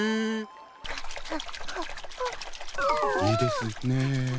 いいですね。